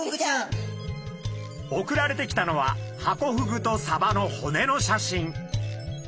送られてきたのはハコフグとサバの骨の写真。